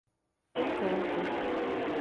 Encanto